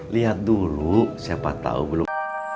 lihat dulu siapa tahu belum